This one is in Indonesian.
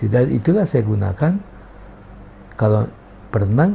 dan itulah saya gunakan kalau berenang